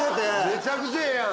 めちゃくちゃええやん！